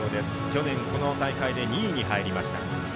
去年この大会で２位に入りました。